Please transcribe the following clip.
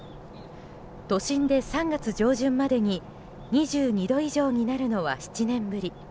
都心で３月上旬までに２２度以上になるのは７年ぶり。